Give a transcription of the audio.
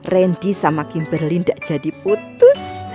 randy sama kimberly gak jadi putus